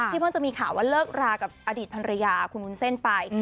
เพิ่งจะมีข่าวว่าเลิกรากับอดีตภรรยาคุณวุ้นเส้นไป